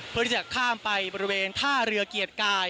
เพื่อที่จะข้ามไปบริเวณท่าเรือเกียรติกาย